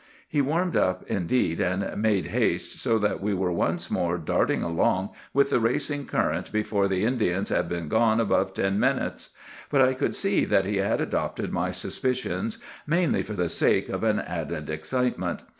He warmed up, indeed, and made haste, so that we were once more darting along with the racing current before the Indians had been gone above ten minutes; but I could see that he had adopted my suspicions mainly for the sake of an added excitement.